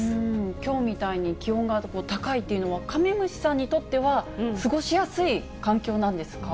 きょうみたいに気温が高いっていうのは、カメムシさんにとっては過ごしやすい環境なんですか？